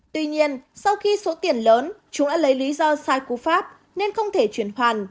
tuy nhiên sau khi số tiền lớn chúa đã lấy lý do sai cú pháp nên không thể chuyển khoản